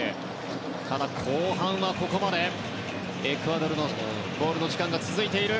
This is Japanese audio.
ただ、後半はここまでエクアドルのボールの時間が続いている。